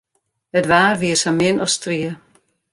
It waar wie sa min as strie.